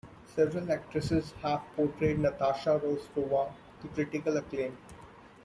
Several actresses have portrayed Natasha Rostova to critical acclaim.